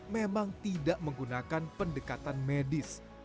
memang tidak menggunakan pendekatan medis